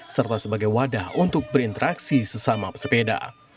serta sebagai wadah untuk berinteraksi sesama pesepeda